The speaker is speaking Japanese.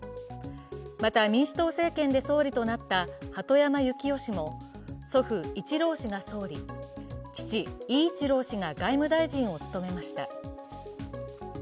また民主党政権で総理となった鳩山由紀夫氏も祖父・一郎氏が総理、父・威一郎氏が外務大臣を務めました。